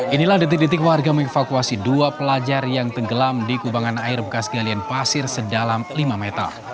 inilah detik detik warga mengevakuasi dua pelajar yang tenggelam di kubangan air bekas galian pasir sedalam lima meter